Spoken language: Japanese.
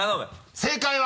正解は？